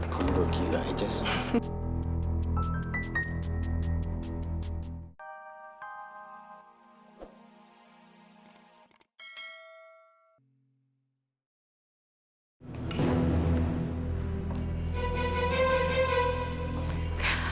kau bergila aja sih